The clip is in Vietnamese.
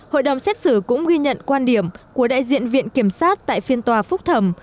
hội đồng xét xử cũng ghi nhận quan điểm của đại diện viện kiểm sát tại phiên tòa phúc thẩm